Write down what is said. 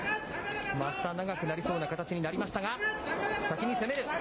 また長くなりそうな形になりましたが、先に攻める。